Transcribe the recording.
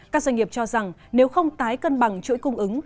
các doanh nghiệp cho rằng nếu không tái cân bằng chuỗi cung ứng